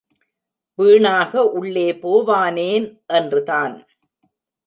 வீணாக.உள்ளே போவானேன் என்றுதான்.